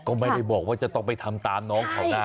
ก็ไม่ได้บอกว่าจะต้องไปทำตามน้องเขานะ